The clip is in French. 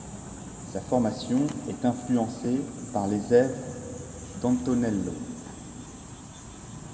Sa formation est influencée par les œuvres d'Antonello.